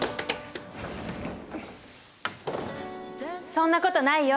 そんなことないよ。